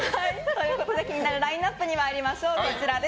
気になるラインアップに参りましょう。